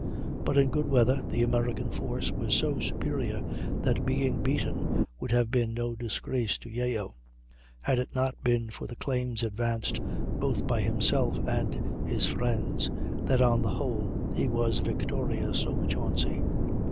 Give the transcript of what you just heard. But in good weather the American force was so superior that being beaten would have been no disgrace to Yeo, had it not been for the claims advanced both by himself and his friends, that on the whole he was victorious over Chauncy.